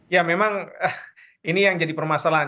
ya memang ini yang jadi permasalahan